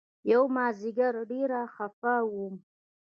يومازديگر ډېر خپه وم.